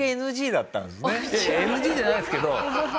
いやいやＮＧじゃないですけど。